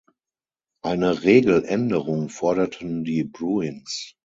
Eine Regeländerung forderten die Bruins.